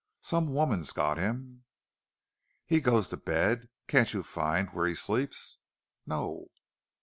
Some woman's got him!" "He goes to bed. Can't you find where he sleeps?" "No."